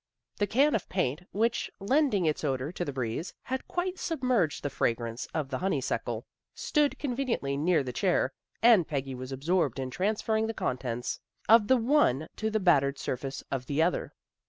The can of paint, which, lending its odor to the breeze, had quite submerged the fragrance of the honeysuckle, stood conveniently near the chair, and Peggy was absorbed in trans ferring the contents of the one to the battered surface of the other.